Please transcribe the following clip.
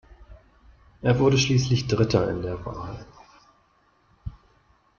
Er wurde schließlich Dritter in der Wahl.